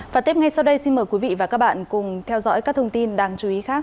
và tiếp ngay sau đây xin mời quý vị và các bạn cùng theo dõi các thông tin đáng chú ý khác